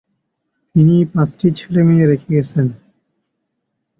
তিনি পাঁচটি ছেলেমেয়ে রেখে গেছেন।